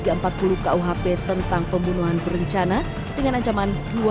yang menyebutkan sebuah penyakit yang menyebabkan penyakit yang terjadi di sekitar kota